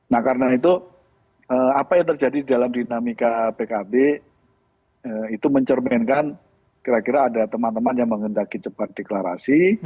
nah karena itu apa yang terjadi dalam dinamika pkb itu mencerminkan kira kira ada teman teman yang menghendaki cepat deklarasi